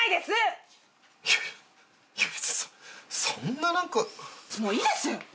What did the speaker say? そんな何か。